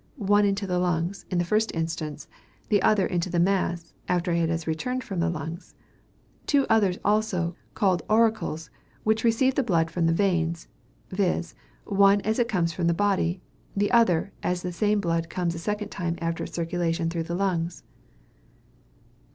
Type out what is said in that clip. one into the lungs in the first instance, the other into the mass, after it has returned from the lungs; two others also, called auricles, which receive the blood from the veins, viz. one as it comes from the body; the other, as the same blood comes a second time after its circulation through the lungs."